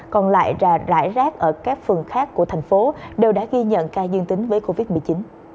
còn lại rải rác ở các phường khác của thành phố đều đã ghi nhận ca dương tính với covid một mươi chín